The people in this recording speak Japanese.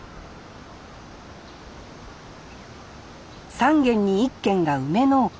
３軒に１軒が梅農家。